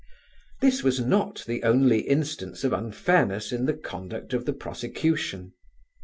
This was not the only instance of unfairness in the conduct of the prosecution.